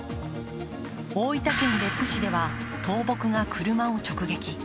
大分県別府市では倒木が車を直撃。